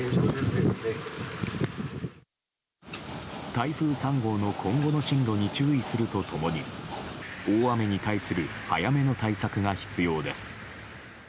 台風３号の今後の進路に注意すると共に大雨に対する早めの対策が必要です。